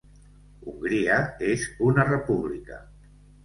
Hongria és una república.